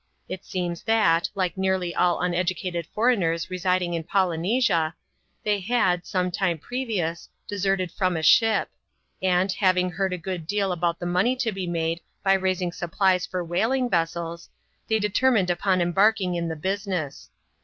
It seems that, like nearly all uneducated foreigners residing in Polynesia, they had, some time previous, deserted from a ship ; and, having heard a good deal about the pioney to be made by raising supplies for whaling vessels, they determined upon embarking in the business.